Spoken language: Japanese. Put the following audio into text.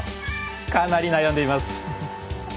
かなり悩んでいます。